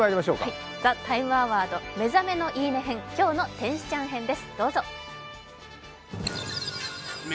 「ＴＨＥＴＩＭＥ，アワード」「目覚めのいい音」編「今日の天使ちゃん」編です。